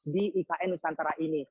di ikn nusantara ini